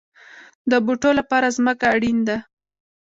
د بوټو لپاره ځمکه اړین ده